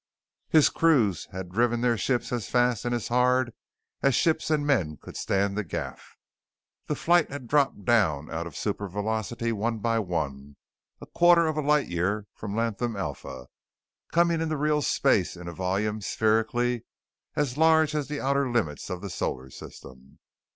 His crews had driven their ships as fast and as hard as ships and men could stand the gaff. The flight had dropped down out of supervelocity one by one, a quarter of a light year from Latham Alpha, coming into real space in a volume spherically as large as the outer limits of the Solar System.